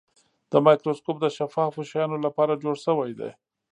دا مایکروسکوپ د شفافو شیانو لپاره جوړ شوی دی.